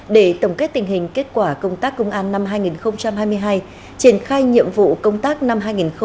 để tổng kết tình hình kết quả công tác công an năm hai nghìn hai mươi hai triển khai nhiệm vụ công tác năm hai nghìn hai mươi bốn